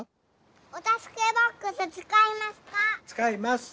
おたすけボックスつかいますか？